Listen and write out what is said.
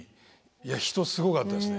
人すごかったですね。